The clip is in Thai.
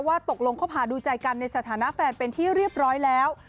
ตกลงคบหาดูใจกันในสถานะแฟนเป็นที่เรียบร้อยแล้ว